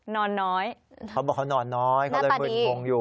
นอนน้อยเขาบอกว่านอนน้อย